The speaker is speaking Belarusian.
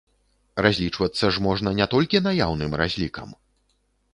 Разлічвацца ж можна не толькі наяўным разлікам!